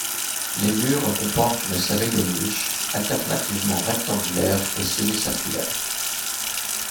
Les murs comportent une série de niches alternativement rectangulaires et semi-circulaires.